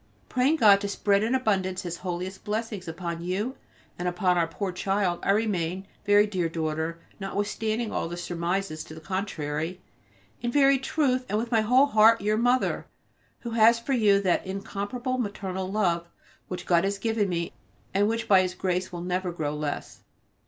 Praying God to spread in abundance His holiest blessings upon you and upon our poor child, I remain, very dear daughter, notwithstanding all surmises to the contrary, in very truth and with my whole heart your Mother, who has for you that incomparable maternal love which God has given me and which by His grace will never grow less.